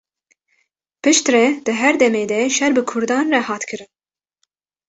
Piştre, di her demê de şer bi kurdan rê hat kirin.